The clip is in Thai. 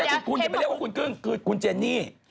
ไม่ใช่คุณไม่ได้เรียกว่าคุณกึ้งคือคุณเจนี่